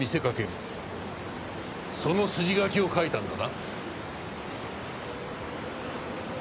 その筋書きを書いたんだな？